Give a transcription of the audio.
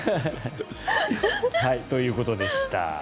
ということでした。